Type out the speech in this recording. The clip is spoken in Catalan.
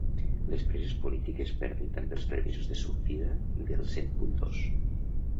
Les preses polítiques perden també els permisos de sortida del cent punt dos.